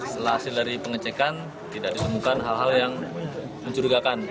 setelah hasil dari pengecekan tidak ditemukan hal hal yang mencurigakan